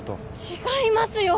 違いますよ。